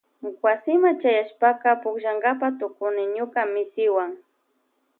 Wasima chayashpaka pukllankapa tukuni ñuka misiwan.